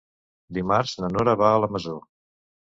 Dimarts na Nora va a la Masó.